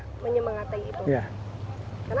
untuk menyemangatkan itu